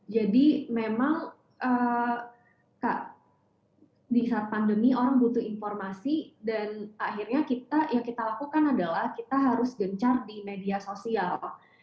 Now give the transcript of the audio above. jadi memang di saat pandemi orang butuh informasi dan akhirnya kita yang kita lakukan adalah kita harus gencar di media sosial